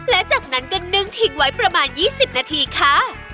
และจากนั้นก็นึ่งทิ้งไว้ประมาณ๒๐นาทีค่ะ